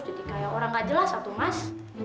jadi kayak orang gak jelas atau mas